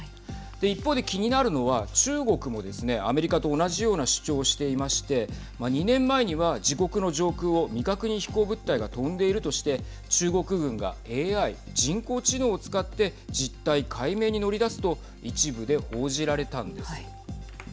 一方で気になるのは中国もですね、アメリカと同じような主張をしていまして２年前には自国の上空を未確認飛行物体が飛んでいるとして中国軍がＡＩ＝人工知能を使って実態解明に乗り出すと一部で報じられたんです。